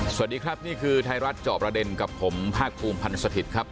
สวัสดีครับนี่คือไทยรัฐจอบประเด็นกับผมภาคภูมิพันธ์สถิตย์ครับ